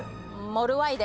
モルワイデ？